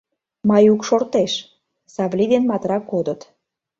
Маюк шортеш; Савлий ден Матра кодыт.